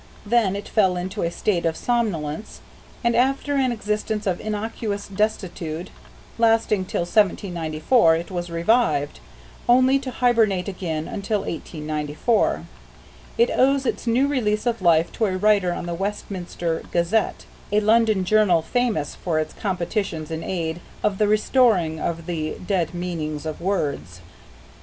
Then it fell into a state of somnolence, and after an existence of innocuous desuetude lasting till 1794 it was revived, only to hibernate again until 1894. It owes its new lease of life to a writer on The Westminster Gazette, a London journal famous for its competitions in aid of the restoring of the dead meanings of words.